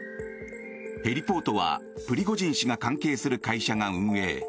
ヘリポートは、プリゴジン氏が関係する会社が運営。